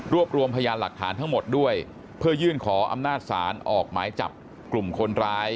รวมรวมพยานหลักฐานทั้งหมดด้วยเพื่อยื่นขออำนาจศาลออกหมายจับกลุ่มคนร้าย